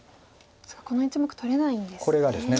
そこの１目取れないんですね。